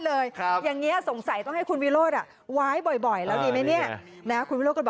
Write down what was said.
รอบหน้าต้องว้ายอีกรอบ